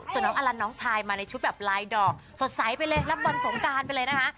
ส่วนน้องอลันน้องชายมาในชุดแบบลายดอกสดใสไปเลยรับวันสงการไปเลยนะคะ